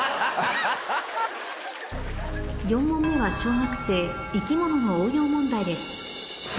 ４問目は小学生生き物の応用問題ですいや。